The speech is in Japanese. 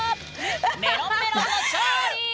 「メロンメロン」の勝利！